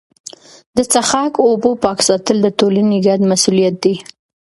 د څښاک اوبو پاک ساتل د ټولني ګډ مسوولیت دی.